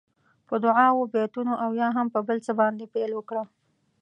په دعاوو، بېتونو او یا هم په بل څه باندې پیل وکړه.